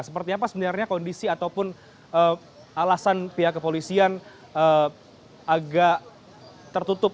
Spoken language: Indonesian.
seperti apa sebenarnya kondisi ataupun alasan pihak kepolisian agak tertutup